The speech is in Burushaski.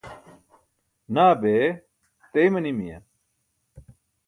Naa bee! Teey manimiya?